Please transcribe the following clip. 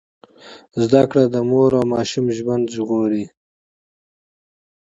زده کړه د مور او ماشوم ژوند ژغوري۔